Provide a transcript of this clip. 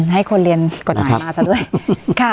ให้คนเรียนกฎหมายมาซะด้วยค่ะ